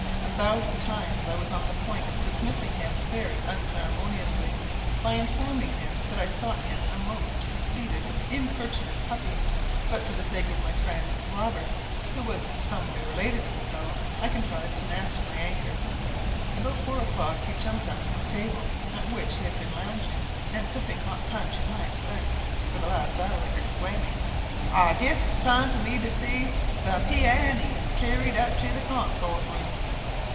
A thousand times I was on the point of dismissing him very unceremoniously, by informing him that I thought him a most conceited, impertinent puppy; but for the sake of my friend Roberts, who was in some way related to the fellow, I contrived to master my anger. About four o'clock he jumped up from the table, at which he had been lounging and sipping hot punch at my expense for the last hour, exclaiming "I guess it's time for me to see the pee a ne carried up to the con sort room."